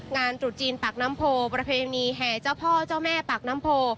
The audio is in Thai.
ตรุษจีนปากน้ำโพประเพณีแห่เจ้าพ่อเจ้าแม่ปากน้ำโพ